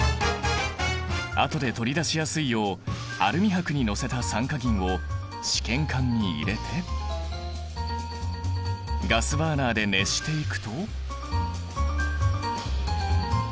あとで取り出しやすいようアルミ箔に載せた酸化銀を試験管に入れてガスバーナーで熱していくと。